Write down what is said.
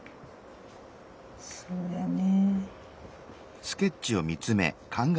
そうやね。